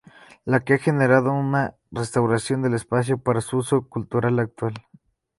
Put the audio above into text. Lo que ha generado una restauración del espacio para su uso cultural actual.